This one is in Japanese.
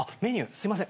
すいません